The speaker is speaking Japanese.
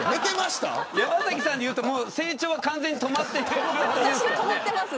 山崎さんでいうと成長は完全に止まってます。